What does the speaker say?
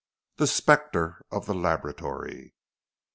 THE SPECTRE OF THE LABORATORY.